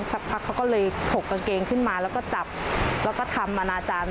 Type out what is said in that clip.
สักพักเขาก็เลยถกกางเกงขึ้นมาแล้วก็จับแล้วก็ทำอนาจารย์